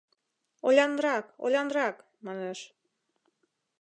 — Олянрак, олянрак, — манеш.